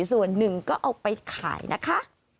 ส่วนหนึ่งก็เอาไปขายนะคะ